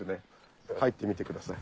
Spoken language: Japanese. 入ってみてください